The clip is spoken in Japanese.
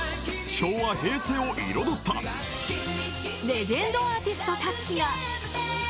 ［昭和平成を彩ったレジェンドアーティストたちが］